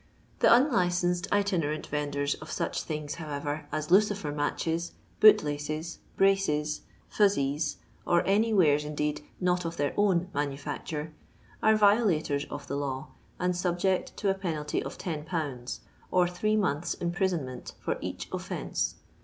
The unlicensed itinerant vendors of such things how ever as lucifer matches, boot laces, braces, fuzees, or any wares indeed, not of their own manufacture, are violators of the law, and subject to a penalty of 10/., or three months' imprisonment for each offence.